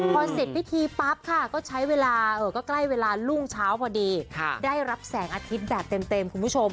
พอเสร็จพิธีปั๊บค่ะก็ใช้เวลาก็ใกล้เวลารุ่งเช้าพอดีได้รับแสงอาทิตย์แบบเต็มคุณผู้ชม